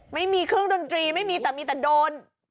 ไม่มีเครื่องดนตรีไม่มีแต่มีแต่โดน